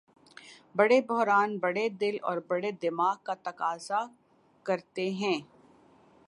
بڑے بحران بڑے دل اور بڑے دماغ کا تقاضا کرتے ہیں۔